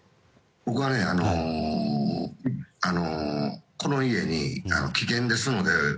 僕は、この家に危険ですので。